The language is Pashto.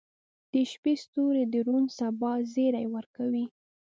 • د شپې ستوري د روڼ سبا زیری ورکوي.